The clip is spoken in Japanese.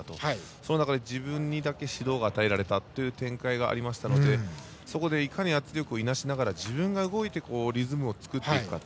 その中で自分にだけ指導が与えられた展開がありましたのでそこでいかに圧力をいなしながら自分が動いてリズムを作っていくか。